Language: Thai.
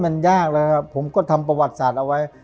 มันยากแล้วครับผมก็ทำประวัติศาสตร์เอาไว้